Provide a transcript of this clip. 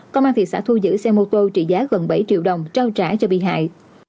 công an thị xã thu giữ xe mô tô trị giá gần bảy triệu đồng trao trả cho bị hại